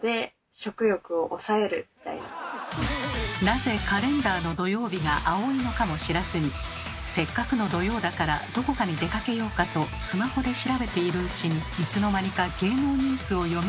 なぜカレンダーの土曜日が青いのかも知らずにせっかくの土曜だからどこかに出かけようかとスマホで調べているうちにいつの間にか芸能ニュースを読みふけり。